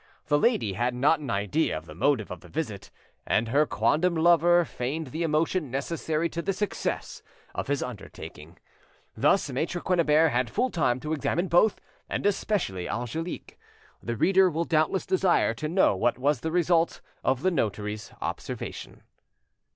The lady had not an idea of the motive of the visit, and her quondam lover feigned the emotion necessary to the success of his undertaking. Thus Maitre Quennebert had full time to examine both, and especially Angelique. The reader will doubtless desire to know what was the result of the notary's observation.